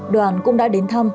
đoàn cũng đã đến thăm